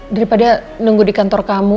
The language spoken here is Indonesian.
daripada nunggu di kantor kamu